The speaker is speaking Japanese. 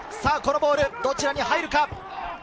このボールどちらに入るか？